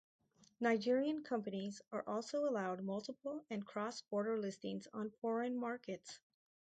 Nigerian companies are also allowed multiple and cross border listings on foreign markets.